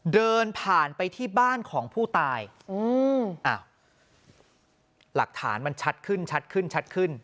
เดินผ่านไปที่บ้านของผู้ตายอืมอ้าวหลักฐานมันชัดขึ้นชัดขึ้นชัดขึ้น